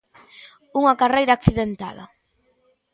Unha carreira accidentada.